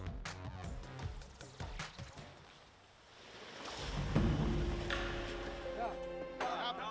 jangan lupa untuk berlangganan